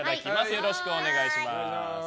よろしくお願いします。